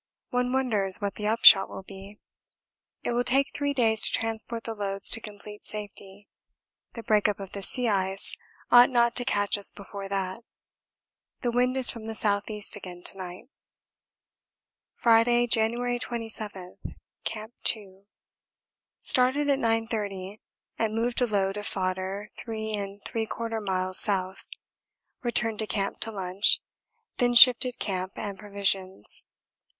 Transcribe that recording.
One wonders what the upshot will be. It will take three days to transport the loads to complete safety; the break up of the sea ice ought not to catch us before that. The wind is from the S.E. again to night. Friday, January 27. Camp 2. Started at 9.30 and moved a load of fodder 3 3/4 miles south returned to camp to lunch then shifted camp and provisions.